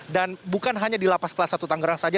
dan bukan hanya di lapas kelas satu tangerang saja